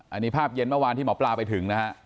อันนี้ภาพเย็นเมื่อวานที่หมอปลาไปถึงนะฮะ